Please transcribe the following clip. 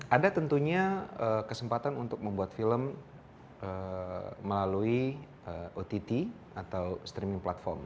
ada tentunya kesempatan untuk membuat film melalui ott atau streaming platform